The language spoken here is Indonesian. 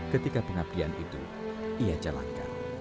ketika pengabdian itu ia jalankan